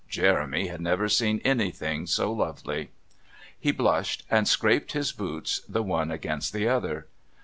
Jeremy had never seen anything so lovely. He blushed and scraped his boots the one against the other.